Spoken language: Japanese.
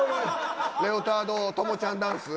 レオタード朋ちゃんダンス。